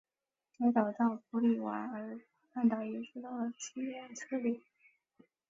该岛到波利瓦尔半岛也收到了自愿撤离令。